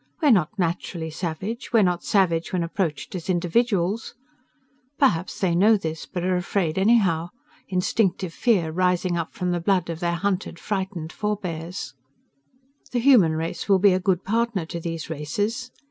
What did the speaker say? We are not naturally savage. We are not savage when approached as individuals. Perhaps they know this, but are afraid anyhow, instinctive fear rising up from the blood of their hunted, frightened forebears. The human race will be a good partner to these races.